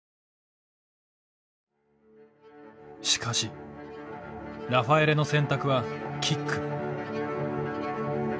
しかしラファエレの選択はキック。